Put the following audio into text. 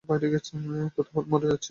কৌতূহলে মরে যাচ্ছি।